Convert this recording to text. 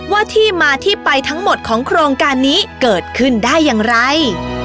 ว่าที่มาที่ไปทั้งหมดของโครงการนี้เกิดขึ้นได้อย่างไร